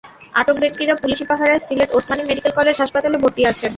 আটক ব্যক্তিরা পুলিশি পাহারায় সিলেট ওসমানী মেডিকেল কলেজ হাসপাতালে ভর্তি আছেন।